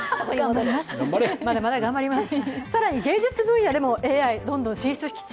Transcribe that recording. まだまだ頑張ります。